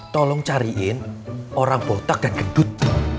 tolong cariin orang botak dan gedut